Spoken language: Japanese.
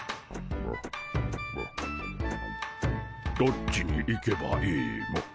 どっちに行けばいいモ。